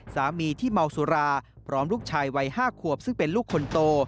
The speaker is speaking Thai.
สามีที่เมาสุราพร้อมลูกชายวัย๕ขวบซึ่งเป็นลูกคนโต